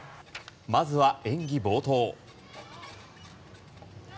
まずは演技冒頭。